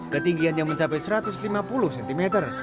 ketinggiannya mencapai satu ratus lima puluh cm